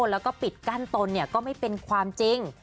แล้วก็ปิดกั้นตนก็ไม่เป็นความจริง